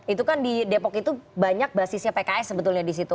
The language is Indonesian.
itu kan di depok itu banyak basisnya pks sebetulnya di situ